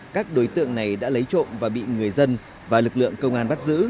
các đối tượng này đã lấy trộm và bị người dân và lực lượng công an bắt giữ